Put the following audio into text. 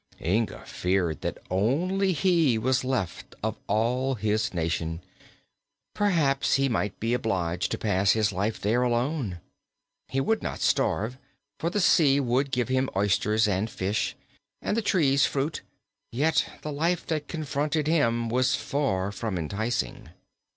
Inga feared that only he was left of all his nation. Perhaps he might be obliged to pass his life there alone. He would not starve, for the sea would give him oysters and fish, and the trees fruit; yet the life that confronted him was far from enticing.